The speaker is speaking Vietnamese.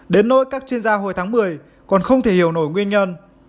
đến nơi các chuyên gia hồi tháng một mươi còn không thể hiểu nổi nguyên nhân